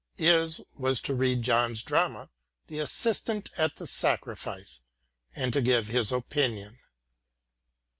Is was to read John's drama, The Assistant at the Sacrifice, and to give his opinion.